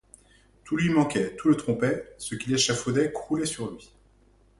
Tout lui manquait, tout le trompait ; ce qu’il échafaudait croulait sur lui.